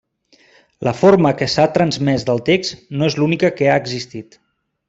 La forma que s'ha transmès del text no és l'única que ha existit.